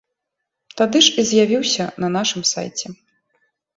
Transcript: Тады ж і з'явіўся на нашым сайце.